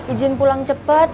ijin pulang cepat